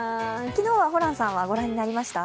昨日はホランさんはご覧になりました？